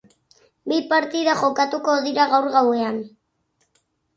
Bi partida jokatuko dira gaur gauean.